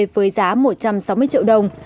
với giá một trăm sáu mươi triệu đồng